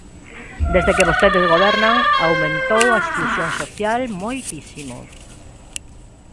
Desde que vostedes gobernan, aumentou a exclusión social moitísimo.